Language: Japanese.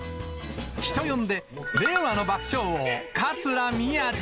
人呼んで、令和の爆笑王、桂宮治。